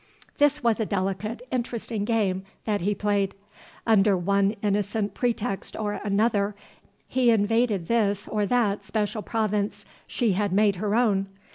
This was a delicate, interesting game that he played. Under one innocent pretext or another, he invaded this or that special province she had made her own.